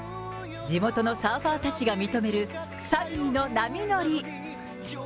地元のサーファーたちが認めるサミーの波乗り。